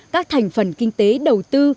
các thành phần kinh tế đầu tư